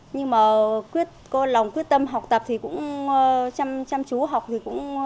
nhưng mà có lòng khuyết tâm học tập thì cũng chăm chú học thì cũng đan làm được ạ